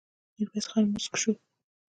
ميرويس خان موسک شو.